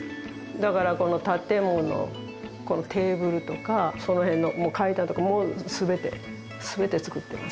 だからこの建物テーブルとかその辺の階段とかも全て全て作ってます。